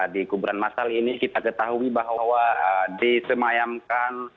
di kuburan masal ini kita ketahui bahwa disemayamkan